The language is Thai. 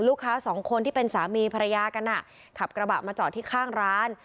ลูกค้าสองคนที่เป็นสามีภรรยากันขับกระบะมาจอดที่ข้างร้าน